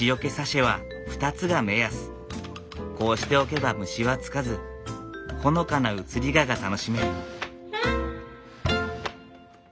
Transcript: こうしておけば虫はつかずほのかな移り香が楽しめる。